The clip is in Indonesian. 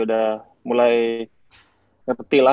udah mulai ngepeti lah